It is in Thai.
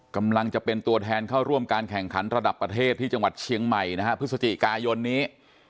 กำลังจะเป็นตัวแทนเข้าร่วมการแข่งขันระดับประเทศที่จังหวัดเชียงใหม่นะฮะพฤศจิกายนนี้